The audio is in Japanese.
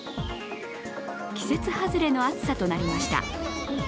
季節外れの暑さとなりました。